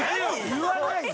言わないの？